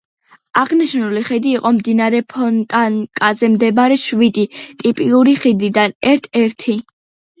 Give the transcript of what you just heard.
აღნიშნული ხიდი იყო მდინარე ფონტანკაზე მდებარე შვიდი ტიპური ხიდიდან ერთ-ერთი.